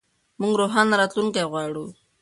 موږ روښانه راتلونکی غواړو.